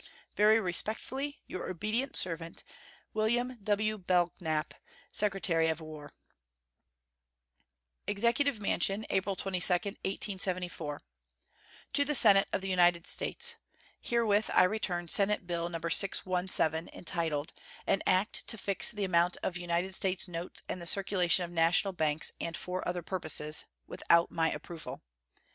Very respectfully, your obedient servant, WM. W. BELKNAP, Secretary of War. EXECUTIVE MANSION, April 22, 1874. To the Senate of the United States: Herewith I return Senate bill No. 617, entitled "An act to fix the amount of United States notes and the circulation of national banks, and for other purposes," without my approval.